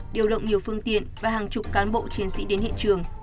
điều động nhiều phương tiện và hàng chục cán bộ chiến sĩ đến hiện trường